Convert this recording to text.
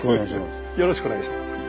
よろしくお願いします。